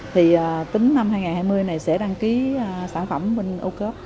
thì tính năm hai nghìn hai mươi này sẽ đăng ký sản phẩm bên âu cớp